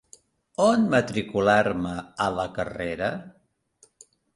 On matricular-me a la carrera?